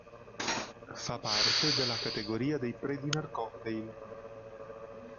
Fa parte della categoria dei pre-dinner cocktail.